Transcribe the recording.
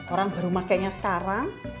orang baru pakenya sekarang